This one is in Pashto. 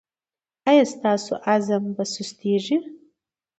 ایا ستاسو عزم به سستیږي؟